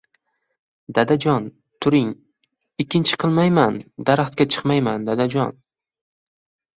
Dadajon, turing. Ikkinchi qilmayman, daraxtga chiqmayman. Dadajon...